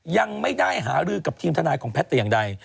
ยังไม่ได้หารือกับทีมทนายของแพทย์แต่อย่างใด